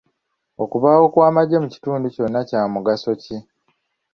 Okubaawo kw'amagye mu kitundu kyonna kya mugaso ki?